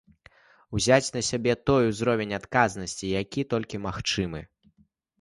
Узяць на сябе той узровень адказнасці, які толькі магчымы.